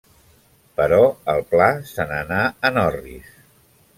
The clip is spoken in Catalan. Però el pla se n'anà en orris.